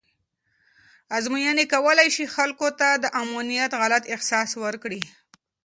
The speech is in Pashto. ازموینې کولی شي خلکو ته د امنیت غلط احساس ورکړي.